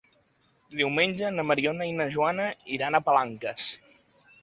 Diumenge na Mariona i na Joana iran a Palanques.